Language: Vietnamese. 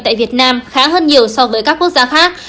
tại việt nam khá hơn nhiều so với các quốc gia khác